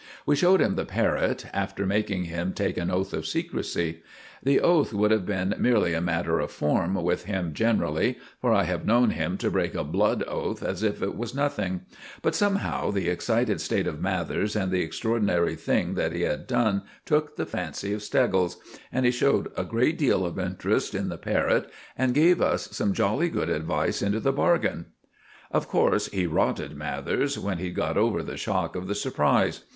We showed him the parrot, after making him take an oath of secrecy. The oath would have been merely a matter of form with him generally, for I have known him to break a blood oath as if it was nothing; but somehow the excited state of Mathers and the extraordinary thing that he had done took the fancy of Steggles, and he showed a great deal of interest in the parrot, and gave us some jolly good advice into the bargain. Of course he rotted Mathers when he'd got over the shock of the surprise.